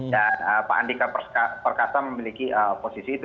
dan pak andika perkasa memiliki posisi itu